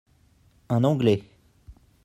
Un Anglais.